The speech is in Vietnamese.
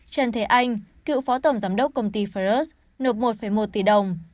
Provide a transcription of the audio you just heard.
trần thế anh cựu phó tổng giám đốc công ty faros nộp một một tỷ đồng